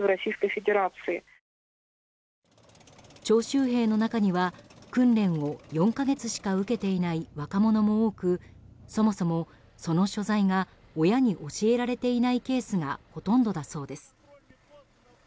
徴集兵の中には訓練を４か月しか受けていない若者も多くそもそも、その所在が親に教えられていないケースがほとんどだそうです。